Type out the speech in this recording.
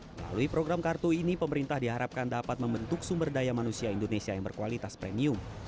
melalui program kartu ini pemerintah diharapkan dapat membentuk sumber daya manusia indonesia yang berkualitas premium